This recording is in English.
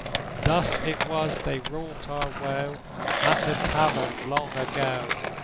Thus it was they wrought our woe At the Tavern long ago.